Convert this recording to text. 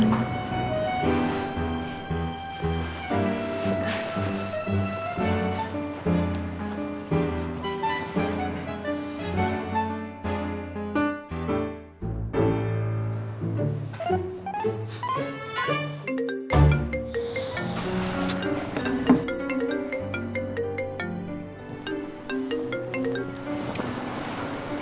aku siap siap dulu